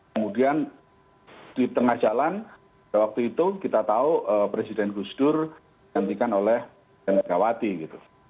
kemudian di tengah jalan waktu itu kita tahu presiden gus dur digantikan oleh mkwati gitu